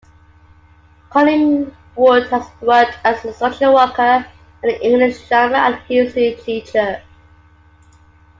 Collingwood has worked as a social worker and an English, drama and history teacher.